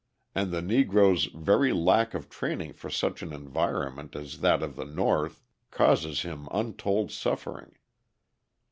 And the Negro's very lack of training for such an environment as that of the North causes him untold suffering.